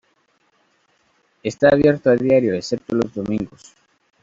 Está abierto a diario excepto los domingos.